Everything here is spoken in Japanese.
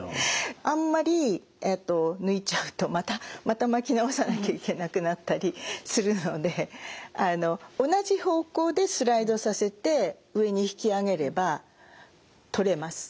あんまり抜いちゃうとまた巻き直さなきゃいけなくなったりするので同じ方向でスライドさせて上に引き上げれば取れます。